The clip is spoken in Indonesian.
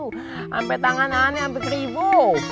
sampai tangan aneh sampai keribu